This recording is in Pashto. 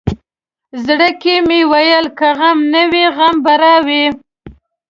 زړه کې مې ویل که غم نه وي غم به راوړي.